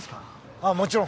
ああもちろん。